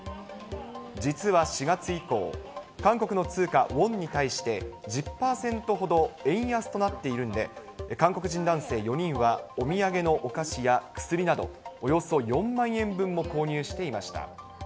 実は４月以降、韓国の通貨・ウォンに対して、１０％ほど円安となっているんで、韓国人男性４人は、お土産のお菓子や薬など、およそ４万円分も購入していました。